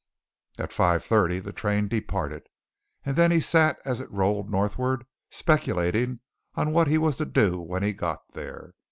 At five thirty the train departed, and then he sat as it rolled northward speculating on what he was to do when he got there.